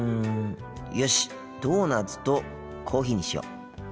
よしっドーナツとコーヒーにしよう。